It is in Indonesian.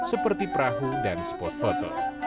seorang penganggaman gigi ini investor